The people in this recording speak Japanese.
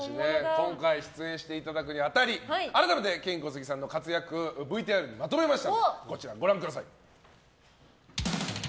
今回出演していただくに当たり改めてケイン・コスギさんの活躍ＶＴＲにまとめました。